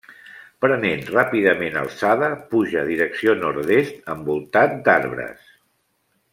Prenent ràpidament alçada puja direcció nord-est envoltat d’arbres.